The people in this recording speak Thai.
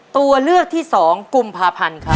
ตัวเลือกที่สองกุมภาพันธ์ค่ะ